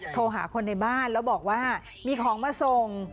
โทรหาคนในบ้านแล้วบอกว่ามีของมาส่ง